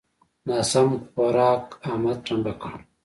ناسم خوارک؛ احمد ټمبه کړ.